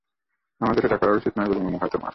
আমাদের এটা করা উচিৎ নয় বলে মনে হয় তোমার।